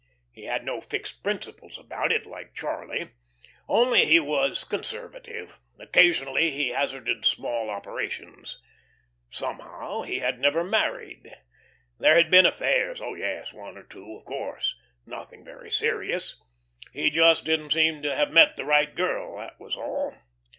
He had no fixed principles about it, like Charlie. Only he was conservative; occasionally he hazarded small operations. Somehow he had never married. There had been affairs. Oh, yes, one or two, of course. Nothing very serious, He just didn't seem to have met the right girl, that was all.